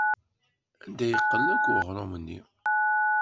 Anda yeqqel akk uɣrum-nni?